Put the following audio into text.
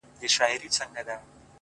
ما د دريم ژوند وه اروا ته سجده وکړه;